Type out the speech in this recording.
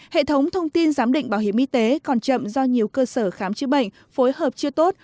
hệ thống thông tin giám định bảo hiểm y tế còn chậm do nhiều cơ sở khám chữa bệnh phối hợp chưa tốt